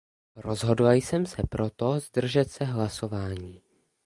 Rozhodla jsem se proto zdržet se hlasování.